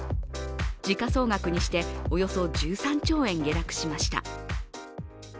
時価総額にして、およそ１３兆円下落しました。